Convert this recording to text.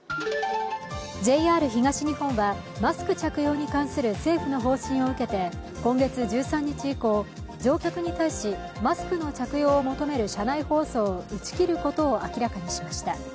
ＪＲ東日本はマスク着用に関する政府の方針を受けて、今月１３日以降、乗客に対しマスクの着用を求める車内放送を打ち切ることを明らかにしました。